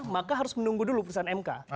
maka harus menunggu dulu putusan mk